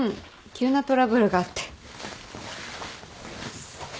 急なトラブルがあって。